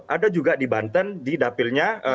ada juga di banten di dapilnya